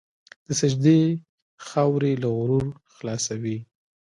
د سجدې خاورې له غرور خلاصوي.